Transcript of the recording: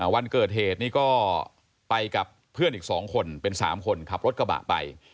วันเกิดเหตุนี้ก็ไปกับเพื่อนอีก๒คนเป็น๓คนขับรถกระบะไป